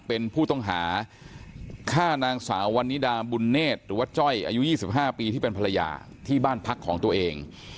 เป็นผู้ต้องหาฆ่านางสาววันนิดาบุญเนธหรือว่าจ้อยอายุ๒๕ปีที่เป็นภรรยาที่บ้านพักของตัวเอง